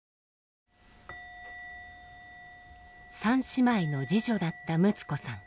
３姉妹の次女だった睦子さん。